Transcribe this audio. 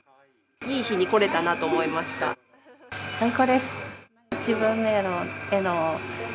いい日に来れたなと思いまし最高です。